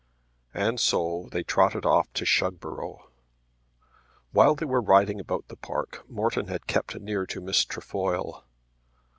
And so they trotted off to Shugborough. While they were riding about the park Morton had kept near to Miss Trefoil.